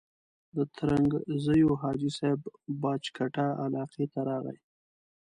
د ترنګزیو حاجي صاحب باج کټه علاقې ته راغی.